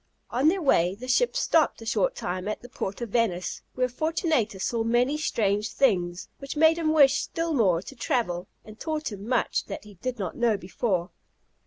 On their way the ship stopped a short time at the port of Venice, where Fortunatus saw many strange things, which made him wish still more to travel, and taught him much that he did not know before.